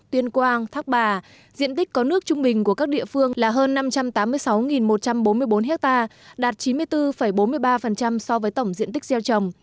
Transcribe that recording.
tuyên quang thác bà diện tích có nước trung bình của các địa phương là hơn năm trăm tám mươi sáu một trăm bốn mươi bốn ha đạt chín mươi bốn bốn mươi ba so với tổng diện tích gieo trồng